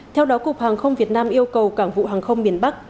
theo đó cục hàng không việt nam yêu cầu cảng vụ hàng không miền bắc